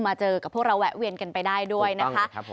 เจอกับพวกเราแวะเวียนกันไปได้ด้วยนะคะ